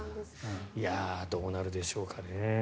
どうなるでしょうかね。